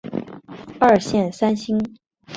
二线三星。